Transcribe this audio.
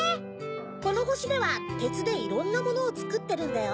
このほしではてつでいろんなものをつくってるんだよ。